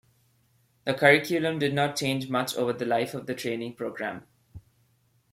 The curriculum did not change much over the life of the training program.